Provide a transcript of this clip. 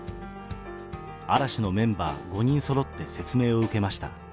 嵐のメンバー５人そろって説明を受けました。